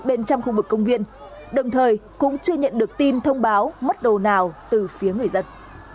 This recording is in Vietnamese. bên trong khu vực công viên đồng thời cũng chưa nhận được tin thông báo mất đồ nào từ phía người dân